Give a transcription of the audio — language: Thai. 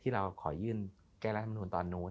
เราขอยื่นแก้รัฐมนุนตอนนู้น